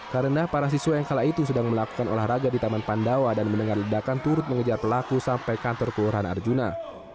karena para siswa yang kala itu sudah melakukan olahraga di taman pandawa dan mendengar lidahkan turut mengejar pelaku sampai kantor kelurahan arjuna